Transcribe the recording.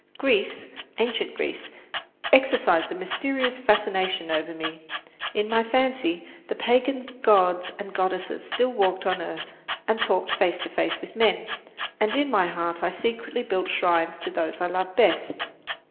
Greece, ancient Greece, exercised a mysterious fascination over me. In my fancy the pagan gods and goddesses still walked on earth and talked face to face with men, and in my heart I secretly built shrines to those I loved best.